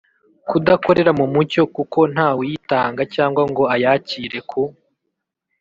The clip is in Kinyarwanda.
kudakorera mu mucyo kuko ntawuyitanga cyangwa ngo ayakire ku